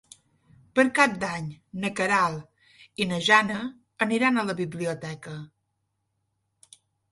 Per Cap d'Any na Queralt i na Jana aniran a la biblioteca.